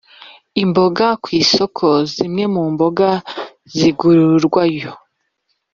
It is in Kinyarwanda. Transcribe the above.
imboga kwi soko, zimwe mu mboga zigurwayo